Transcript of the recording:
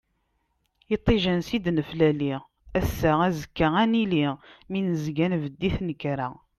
Iṭij ansa i d-neflali, ass-a azekka ad nili, mi nezga nbedd i tnekra.